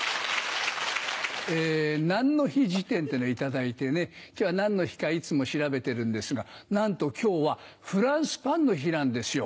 『何の日辞典』っていうのを頂いてね今日は何の日かいつも調べてるんですがなんと今日はフランスパンの日なんですよ。